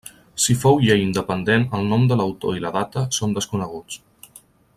Si fou llei independent el nom de l'autor i la data són desconeguts.